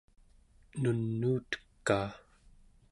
nunuutekaa